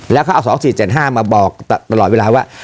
แล้วเขาเอา๒๔๗๕มาบอกตลอดเวลาว่า